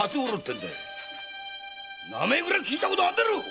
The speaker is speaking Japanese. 名前くらい聞いたことあんだろう